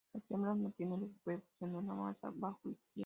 Las hembras mantienen los huevos en una masa bajo el pie.